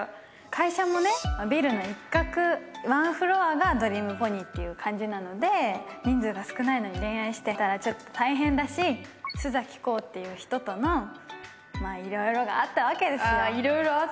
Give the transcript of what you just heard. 会社もねビルの一角ワンフロアがドリームポニーっていう感じなので人数が少ないのに恋愛してたらちょっと大変だし須崎功っていう人とのまあ色々があったわけですよああ